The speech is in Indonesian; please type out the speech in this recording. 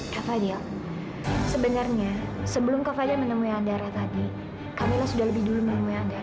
kak fadil sebenarnya sebelum kak fadil menemui andara tadi kak mila sudah lebih dulu menemui andara